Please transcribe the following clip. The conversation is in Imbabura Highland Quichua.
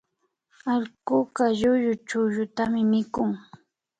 Allkuka llullu chukllutami mikukun